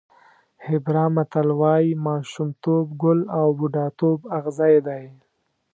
هېبرا متل وایي ماشومتوب ګل او بوډاتوب اغزی دی.